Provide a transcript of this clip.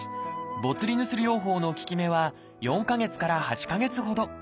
ボツリヌス療法の効き目は４か月から８か月ほど。